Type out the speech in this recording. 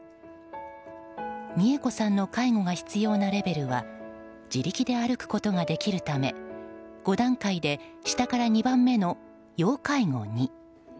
三恵子さんの介護が必要なレベルは自力で歩くことができるため５段階で下から２番目の要介護２。